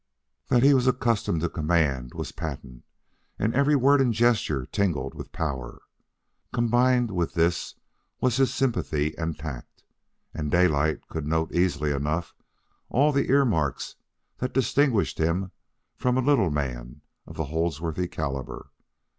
That he was accustomed to command was patent, and every word and gesture tingled with power. Combined with this was his sympathy and tact, and Daylight could note easily enough all the earmarks that distinguished him from a little man of the Holdsworthy caliber.